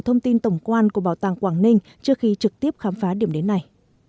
thông tin tổng quan của bảo tàng quảng ninh trước khi trực tiếp khám phá điểm đến này